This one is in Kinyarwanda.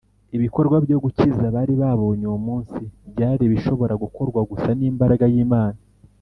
ibikorwa byo gukiza bari babonye uwo munsi byari ibishobora gukorwa gusa n’imbaraga y’imana